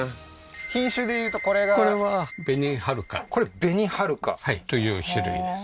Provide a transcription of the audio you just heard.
品種で言うとこれがこれは紅はるかこれ紅はるか？という種類です